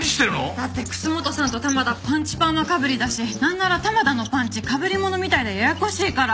だって楠本さんと玉田パンチパーマかぶりだしなんなら玉田のパンチかぶりものみたいでややこしいから。